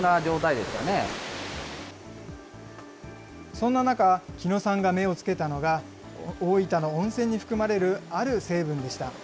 そんな中、木野さんが目をつけたのが、大分の温泉に含まれるある成分でした。